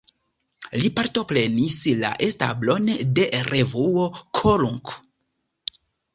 Li partoprenis la establon de revuo "Korunk".